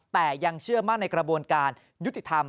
แต่ยังเชื่อมั่นในกระบวนการยุติธรรม